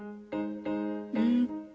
うん。